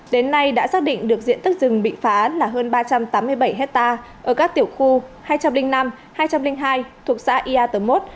đến nay đã xác định được diện tích rừng bị phá là hơn ba trăm tám mươi bảy hectare ở các tiểu khu hai trăm linh năm hai trăm linh hai thuộc xã iatomot